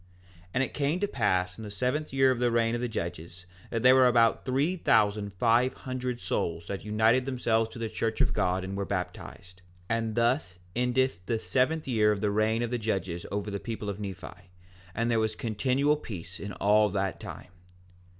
4:5 And it came to pass in the seventh year of the reign of the judges there were about three thousand five hundred souls that united themselves to the church of God and were baptized. And thus endeth the seventh year of the reign of the judges over the people of Nephi; and there was continual peace in all that time.